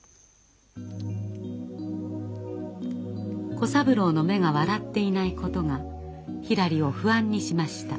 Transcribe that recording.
小三郎の目が笑っていないことがひらりを不安にしました。